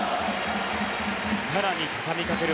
更にたたみかける。